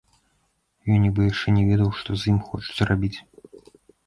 Ён нібы яшчэ не ведаў, што з ім хочуць рабіць.